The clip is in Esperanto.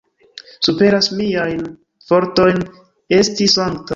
Superas miajn fortojn esti sankta.